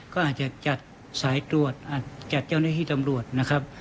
ก็อาจจะจัดสายตรวจจัดเจ้าหน้าที่ตำรวจนะครับ